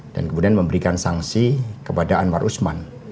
dan kemudian memberikan sanksi kepada anwar usman